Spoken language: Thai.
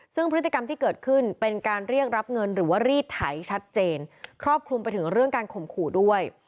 ซึ่งพฤติกรรมที่เกิดขึ้นเป็นการเรียกรับเงินหรือว่ารีดไถชัดเจนครอบคลุมไปถึงเรื่องการข่มขู่ด้วย